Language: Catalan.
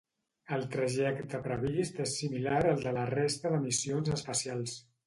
El trajecte previst és similar al de la resta de missions espacials.